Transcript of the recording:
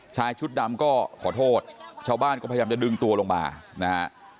ชายชุดดำก็ขอโทษชาวบ้านก็พยายามจะดึงตัวลงมานะฮะ